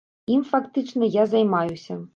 Ім, фактычна, я займаюся.